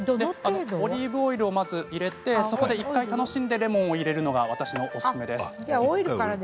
オリーブオイルを入れてそこで１回楽しんでからレモンを入れるのが私のおすすめです。